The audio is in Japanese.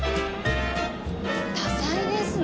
多才ですね。